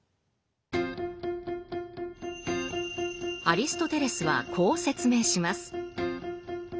アリストテレスはこう説明します。